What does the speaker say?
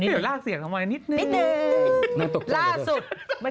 เดี๋ยวยาราดเสียงทำไม